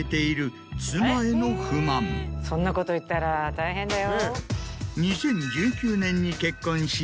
そんなこと言ったら大変だよ。